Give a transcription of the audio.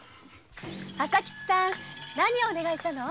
朝吉さん何をお願いしたの？